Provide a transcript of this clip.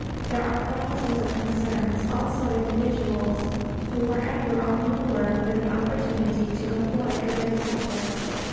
There are thousands of concerns, also individuals, who are ever on the alert for the opportunity to employ good detectives.